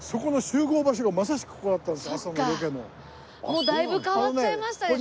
もうだいぶ変わっちゃいましたでしょ